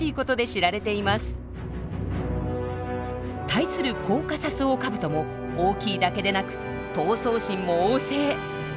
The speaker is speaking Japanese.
対するコーカサスオオカブトも大きいだけでなく闘争心も旺盛。